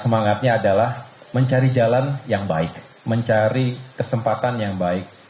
semangatnya adalah mencari jalan yang baik mencari kesempatan yang baik